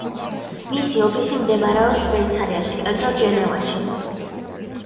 მისი ოფისი მდებარეობს შვეიცარიაში, კერძოდ ჟენევაში.